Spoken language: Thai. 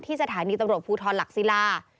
สถานีตำรวจภูทรหลักศิลา